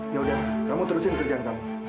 ya udah kamu terusin kerjaan kamu